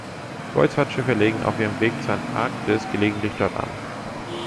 Kreuzfahrtschiffe legen auf ihrem Weg zur Antarktis gelegentlich dort an.